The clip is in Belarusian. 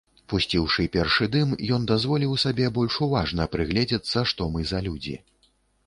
Пусціўшы першы дым, ён дазволіў сабе больш уважна прыгледзецца, што мы за людзі.